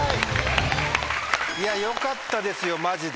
よかったですよマジで。